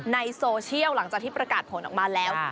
ในโซเชียลหลังจากที่ประกาศผลออกมาแล้ว